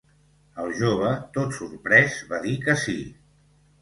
El jove, tot sorprès va dir que sí.